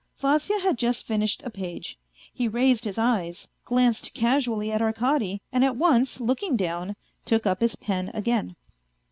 Vasya had just finished a page, he raised his eyes, glanced casually at Arkady and at once, looking down, took up his pen again.